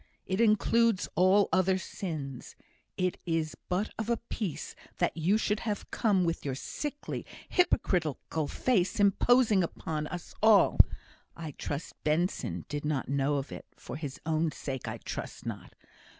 It includes all other sins. It is but of a piece that you should have come with your sickly, hypocritical face, imposing upon us all. I trust Benson did not know of it for his own sake, I trust not.